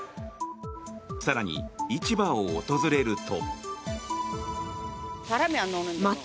更に、市場を訪れると。